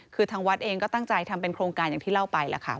คือทางวัดเองก็ตั้งใจทำเป็นโครงการอย่างที่เล่าไปแล้วค่ะ